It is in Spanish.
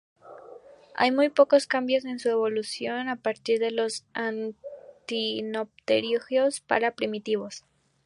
Hay muy pocos cambios en su evolución a partir de los actinopterigios más primitivos.